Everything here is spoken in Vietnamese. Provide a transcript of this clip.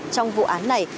trong vụ án này